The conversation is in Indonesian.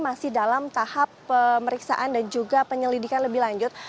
masih dalam tahap pemeriksaan dan juga penyelidikan lebih lanjut